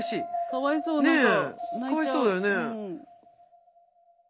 かわいそうだよね。